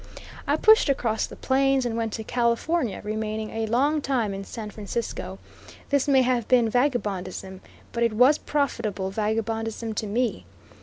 I pushed across the plains, and went to California, remaining a long time in San Francisco. This may have been vagabondism, but it was profitable vagabondism to me.